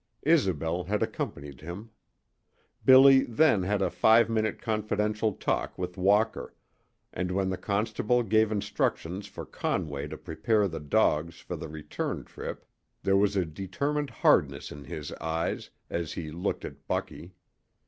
Isobel had accompanied him. Billy then had a five minute confidential talk with Walker, and when the constable gave instructions for Conway to prepare the dogs for the return trip there was a determined hardness in his eyes as he looked at Bucky.